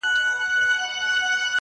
• نور څه نه لرم خو ځان مي ترې قربان دی,